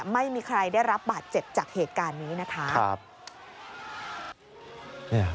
ไม่มีใครได้รับบาดเจ็บจากเหตุการณ์นี้นะคะ